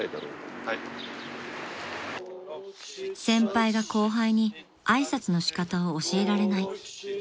［先輩が後輩に挨拶のしかたを教えられない］